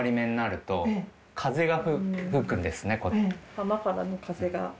浜からの風が。